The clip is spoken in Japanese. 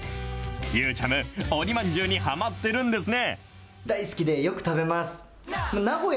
ゆーちゃむ、鬼まんじゅうにはまってるんですね。